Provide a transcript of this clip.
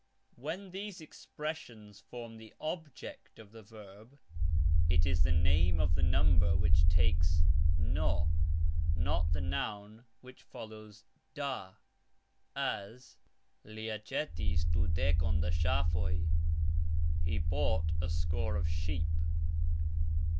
When these expressions form the object of the verb, it is the name of the number which takes " n", not the noun which follows "da", as "Li acxetis dudekon da sxafoj", He bought a score of sheep.